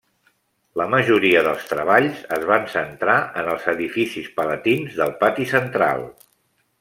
La majoria dels treballs es van centrar en els edificis palatins del pati central.